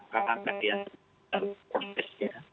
karena ya prosesnya